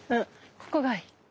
ここがいい。